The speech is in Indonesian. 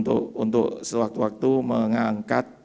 untuk sewaktu waktu mengangkat